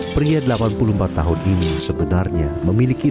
pria delapan puluh empat tahun ini sebenarnya memiliki